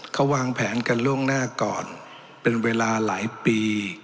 เขาวางแผนกันล่วงหน้าก่อนเป็นเวลาหลายปี